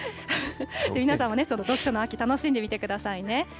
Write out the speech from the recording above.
皆さんもね、読書の秋、楽しんでみてくださいね。